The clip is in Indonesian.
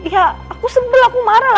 ya aku sedih aku marah lah